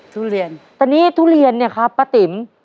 ทุเรียนแต่นี่ทุเรียนเนี่ยครับป้าติ๋ม